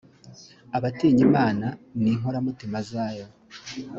abatinya imana ni inkoramutima zayo